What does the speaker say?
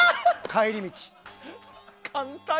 帰り道。